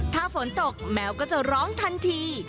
ถ้าฝนตกแมวก็จะร้องทันที